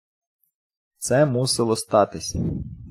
Це мусило статись.